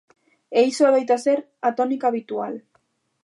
E iso adoita ser a tónica habitual.